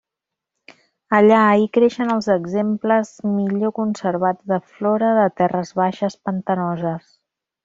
Allà hi creixen els exemples millor conservats de flora de terres baixes pantanoses.